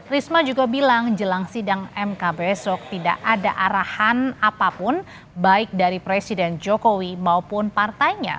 risma juga bilang jelang sidang mk besok tidak ada arahan apapun baik dari presiden jokowi maupun partainya